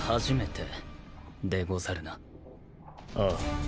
ああ。